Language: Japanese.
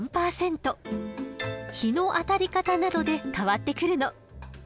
日の当たり方などで変わってくるの。